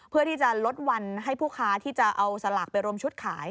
เพื่อที่จะลดวันให้ผู้ค้าที่จะเอาสลากไปรวมชุดขาย